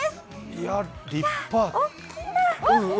いや、立派。